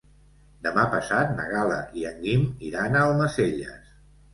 Demà passat na Gal·la i en Guim iran a Almacelles.